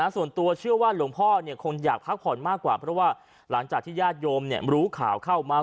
ส่วนตัวเชื่อว่าหลวงพ่อคงอยากพักผ่อนมากกว่าเพราะว่าหลังจากที่ญาติโยมรู้ข่าวเข้ามา